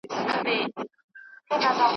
خدای په ټولوحیوانانو کی نادان کړم ,